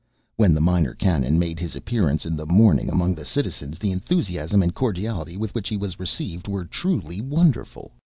When the Minor Canon made his appearance in the morning among the citizens, the enthusiasm and cordiality with which he was received were truly wonderful.